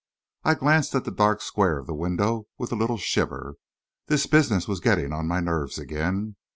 I glanced at the dark square of the window with a little shiver. This business was getting on my nerves again.